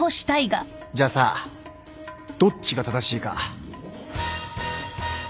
じゃあさどっちが正しいか賭けてみる？